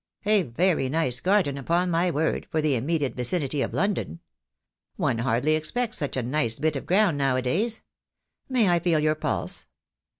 A very nice garden, upon my word, for the immediate vici nity of London. One hardly expects such a nice bit of ground now a days. May I feel your pulse?